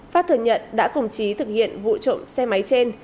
phát thừa nhận đã cùng trí thực hiện vụ trộm xe máy trên